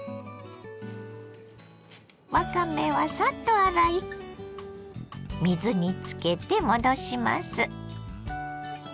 わかめはサッと洗い水につけて戻します。